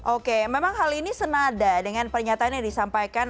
oke memang hal ini senada dengan pernyataan yang disampaikan